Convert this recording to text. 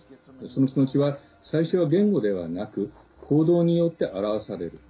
その気持ちは最初は言語ではなく行動によって表される。